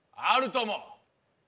あるとも。